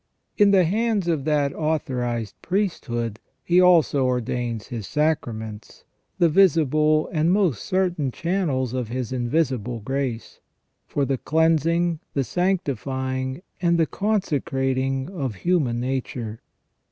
In the hands of that authorized priesthood He also ordains His sacraments, the visible and most certain channels of His invisible grace, for the cleansing, the sanctifying, and the conse crating of human nature.